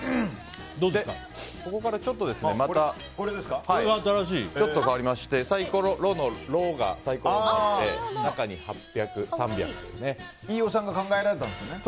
ここから、ちょっと変わりましてサイコロの「ロ」がサイコロになって飯尾さんが考えられたんですね。